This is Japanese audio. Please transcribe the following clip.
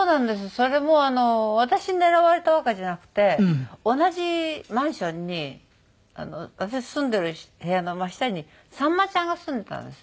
それも私狙われたわけじゃなくて同じマンションに私住んでる部屋の真下にさんまちゃんが住んでたんですよ。